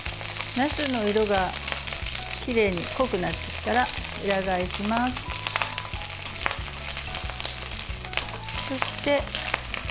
なすの色がきれいに濃くなってきたら裏返します。